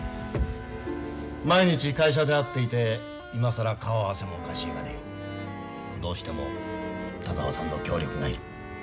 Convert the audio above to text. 毎日会社で会っていて今更顔合わせもおかしいがねどうしても田沢さんの協力がいる。